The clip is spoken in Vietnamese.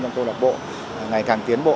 trong câu lạc bộ ngày càng tiến bộ